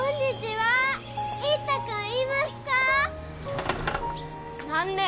はい。